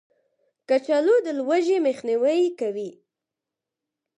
کچالو د لوږې مخنیوی کوي